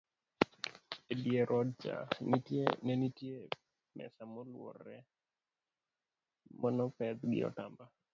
edier odcha nenitie mesa moluorore manopedh gi otamba